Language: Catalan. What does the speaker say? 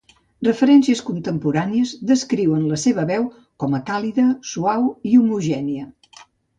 Referències contemporànies descriuen la seva veu com a càlida, suau i homogènia.